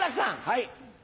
はい。